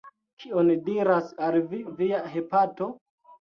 Kion diras al Vi Via hepato?